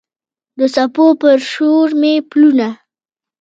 د څپو پر شور مې پلونه